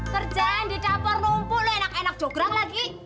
kerjaan di dapur numpuk lo enak enak jograng lagi